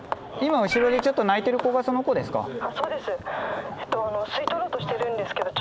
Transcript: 今後ろでちょっと泣いてる子がその子ですか？